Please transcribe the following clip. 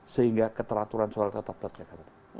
sehingga keteraturan soal tetap terjaga